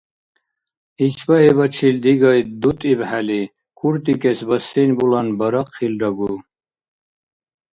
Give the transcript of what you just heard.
Исбагьибачил дигай дутӀибхӀели куртӀикӀес бассейн-булан барахъилрагу.